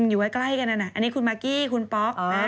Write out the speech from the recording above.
อยู่ใกล้กันนั่นอันนี้คุณมากกี้คุณป๊อก